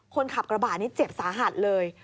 คนขับกระบะนี้เจ็บสาหัสเลย